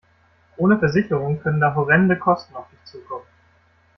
Ohne Versicherung können da horrende Kosten auf dich zukommen.